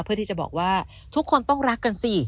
เพื่อที่จะบอกว่าทุกคนต้องรักกันสิ